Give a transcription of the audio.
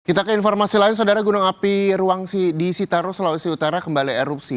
kita ke informasi lain saudara gunung api ruang di sitaro sulawesi utara kembali erupsi